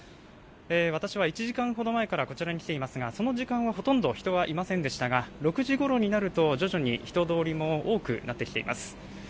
私は１時間ほど前からこちらに来ていますが、その時間はほとんど人はいませんでしたが、６時ごろになると徐々に人通りも多くなってきています。